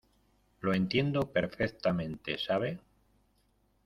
lo entiendo perfectamente. ¿ sabe?